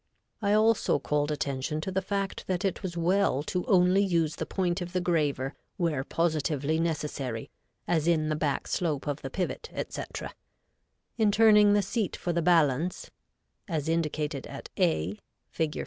I also called attention to the fact that it was well to only use the point of the graver where positively necessary, as in the back slope of the pivot, etc. In turning the seat for the balance, as indicated at A, Fig.